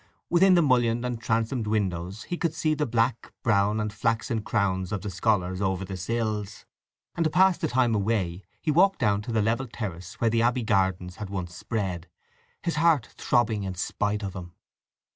Within the mullioned and transomed windows he could see the black, brown, and flaxen crowns of the scholars over the sills, and to pass the time away he walked down to the level terrace where the abbey gardens once had spread, his heart throbbing in spite of him.